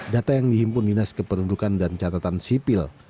data yang dihimpun dinas kependudukan dan catatan sipil